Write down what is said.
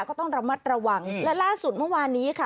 ก็ต้องระมัดระวังและล่าสุดเมื่อวานนี้ค่ะ